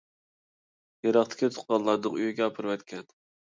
يىراقتىكى تۇغقانلارنىڭ ئۆيىگە ئاپىرىۋەتكەن.